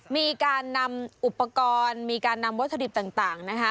มีการนำอุปกรณ์มีการนำวัตถุดิบต่างนะคะ